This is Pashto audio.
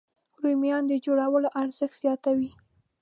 رومیان د خوړو ارزښت زیاتوي